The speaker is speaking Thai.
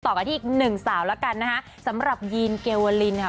ที่อีกหนึ่งสาวแล้วกันนะคะสำหรับยีนเกลวลินค่ะ